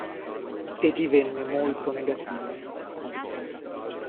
E divenne molto negativa.